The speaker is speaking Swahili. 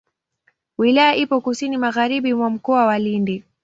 Wilaya ipo kusini magharibi mwa Mkoa wa Lindi.